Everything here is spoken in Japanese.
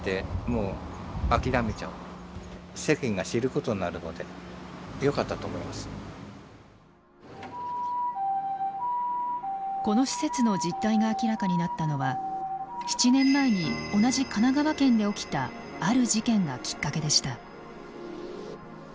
ここで本当に暮らしてるのかというこの施設の実態が明らかになったのは７年前に同じ神奈川県で起きたある事件がきっかけでした。